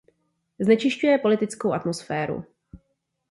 Znečišťuje politickou atmosféru.